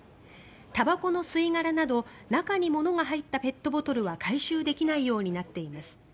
たばこの吸い殻など中に物が入ったペットボトルは回収できないようになっています。